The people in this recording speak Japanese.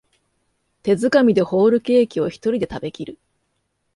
手づかみでホールケーキをひとりで食べきる